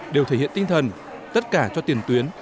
đều thể hiện tinh thần tất cả cho tiền tuyến